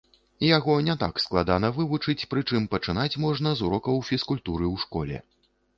Яго не так складана вывучыць, прычым пачынаць можна з урокаў фізкультуры ў школе.